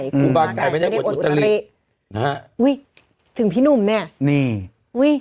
ครูบาไก่ไม่ได้เหมือนอุตรินะฮะอุ้ยถึงพี่หนุ่มเนี่ยนี่อุ้ย